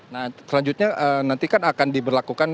nah selanjutnya nanti kan akan diberlakukan